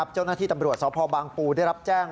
เจ้าหน้าที่ตำรวจสพบางปูได้รับแจ้ง